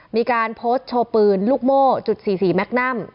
มีการโพสต์โชว์ปืนลูกโม่จุด๔๔แมคนัม